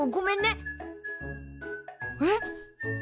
えっ。